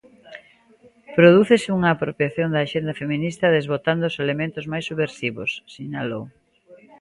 "Prodúcese unha apropiación da axenda feminista, desbotando os elementos máis subversivos", sinalou.